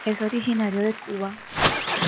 Es originario de Cuba.